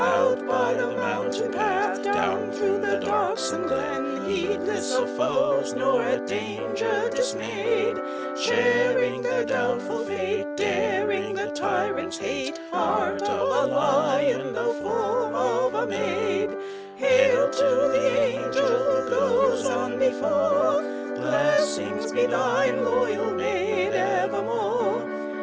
2. Out by the mountain path, Down thro' the darksome glen, Heedless of foes, nor at dan ger dismayed, Sharing their doubtful fate, Daring the tyrant's hate, Heart of a lion, though form of a maid; CHORUS. Hail to the an gel who goes on be fore, Blessings be thine, loyal maid, ev er more!